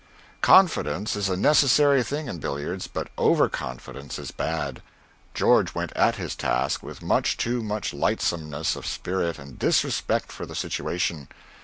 Confidence is a necessary thing in billiards, but overconfidence is bad. George went at his task with much too much lightsomeness of spirit and disrespect for the situation.